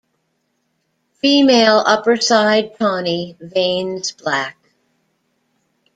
Female upperside tawny, veins black.